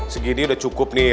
segini udah cukup nih